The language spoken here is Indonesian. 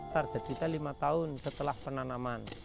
target kita lima tahun setelah penanaman